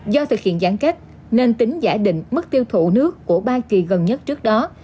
do thực hiện giãn cách nên tính giả định mức tiêu thụ nước của ba kỳ gần nhất trước đó